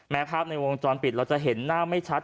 ภาพในวงจรปิดเราจะเห็นหน้าไม่ชัด